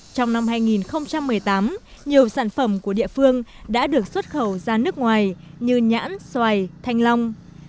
trong năm hai nghìn một mươi tám nhiều sản phẩm của địa phương đã được xuất khẩu ra nước ngoài như nhãn xoài thanh long